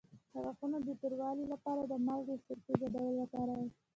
د غاښونو د توروالي لپاره د مالګې او سرکې ګډول وکاروئ